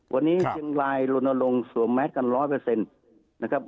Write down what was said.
วันนี้เชียงรายลนลงสวมแมสกัน๑๐๐นะครับ